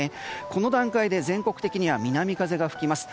この段階で全国的には南風が吹きます。